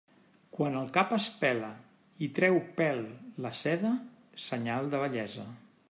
Quan el cap es pela i treu pèl la seda, senyal de vellesa.